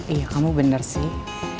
iya kamu bener sih